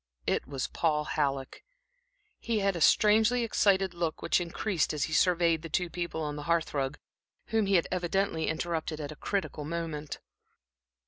It was Paul Halleck. He had a strangely excited look, which increased as he surveyed the two people on the hearth rug, whom he had evidently interrupted at a critical moment.